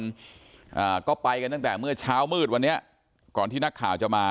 อ่าก็ไปกันตั้งแต่เมื่อเช้ามืดวันนี้ก่อนที่นักข่าวจะมา